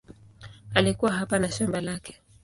Alikuwa hapa na shamba lake.